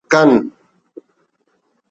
کن